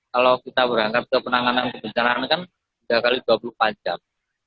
kalau kita berangkat ke penanganan bencana ini kan tiga x dua puluh empat jam